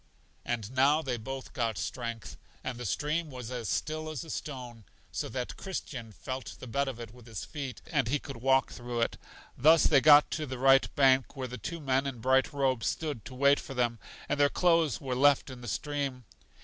And now they both got strength, and the stream was as still as a stone, so that Christian felt the bed of it with his feet, and he could walk through it. Thus they got to the right bank, where the two men in bright robes stood to wait for them, and their clothes were left in the stream.